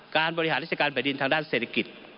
บริหารราชการแผ่นดินทางด้านเศรษฐกิจ